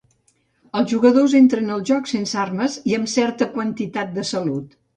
Els jugadors entren al joc sense armes i amb certa quantitat de salut.